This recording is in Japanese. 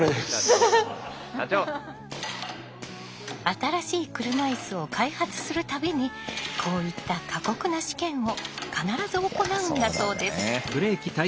新しい車いすを開発する度にこういった過酷な試験を必ず行うんだそうです。